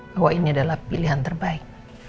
bahwa ini adalah pilihan terbaik